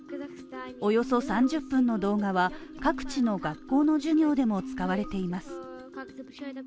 およそ３０分の動画は各地の学校の授業でも使われています。